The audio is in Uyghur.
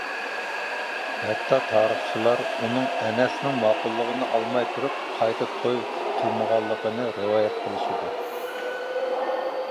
ھەتتا تارىخچىلار ئۇنىڭ ئەنەسنىڭ ماقۇللۇقىنى ئالماي تۇرۇپ، قايتا توي قىلمىغانلىقىنى رىۋايەت قىلىشىدۇ.